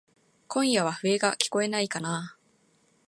今夜は笛がきこえないかなぁ。